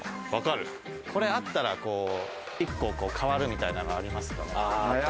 これがあったら変わるみたいなものありますか？